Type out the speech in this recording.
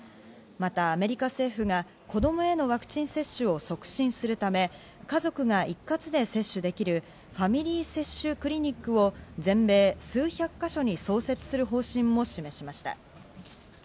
またアメリカ政府が子供へのワクチン接種を促進するため、家族が一括で接種できるファミリー接種クリニックを全米数百か所に創設する方針も示しました。